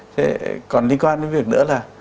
thế còn liên quan đến việc nữa là